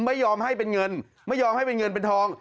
ไม่ยอมให้เป็นเงินไม่ยอมให้เป็นเงินเป็นทอง